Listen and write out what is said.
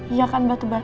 iya kan batu bata